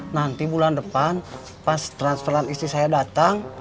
nanti bulan depan pas transferan istri saya datang